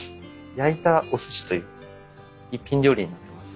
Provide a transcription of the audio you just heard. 焼いたおすしという一品料理になってます。